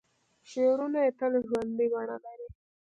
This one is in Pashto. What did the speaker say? شعرونه یې تل ژوندۍ بڼه لري.